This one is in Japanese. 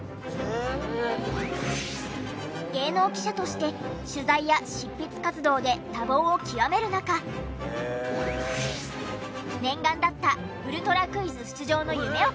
芸能記者として取材や執筆活動で多忙を極める中念願だった『ウルトラクイズ』出場の夢をかなえます。